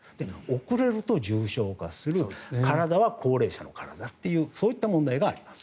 遅れると重症化する体は高齢者の体っていうそういった問題があります。